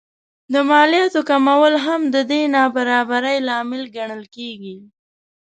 د مالیاتو کمول هم د دې نابرابرۍ لامل ګڼل کېږي